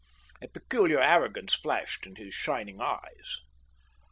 A peculiar arrogance flashed in his shining eyes.